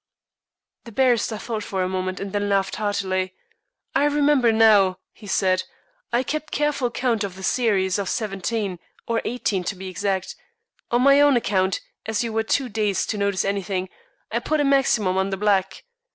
The barrister thought for a moment, and then laughed heartily. "I remember now," he said; "I kept careful count of the series of seventeen, or eighteen, to be exact. On my own account, as you were too dazed to notice anything, I put a maximum on the black.